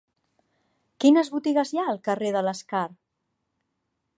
Quines botigues hi ha al carrer de l'Escar?